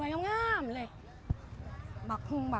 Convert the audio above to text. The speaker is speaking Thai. บักหุงหนูรึ